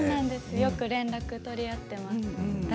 よく連絡を取り合って。